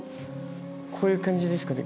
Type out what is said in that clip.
こういう感じですかね。